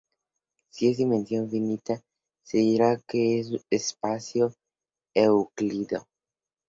Si es de dimensión finita se dirá que es espacio euclídeo.